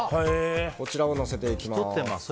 こちらをのせていきます。